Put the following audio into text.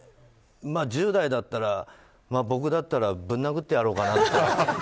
１０代だったら僕だったらぶん殴ってやろうかなって。